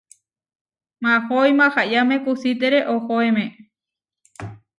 Mahói mahayáme kusítere ohoéme.